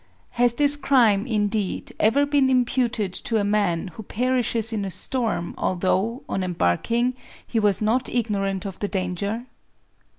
Has this crime, indeed, ever been imputed to a man who perishes in a storm, although, on embark ing, he was not ignorant of the danger?